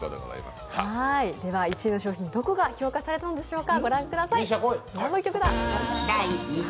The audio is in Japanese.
１位の商品、どこが評価されたんでしょうか。